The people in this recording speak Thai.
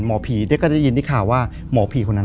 หมอผีก็ได้ยินที่ข่าวว่าหมอผีคนนั้น